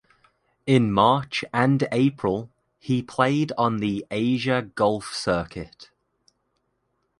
In March and April he played on the Asia Golf Circuit.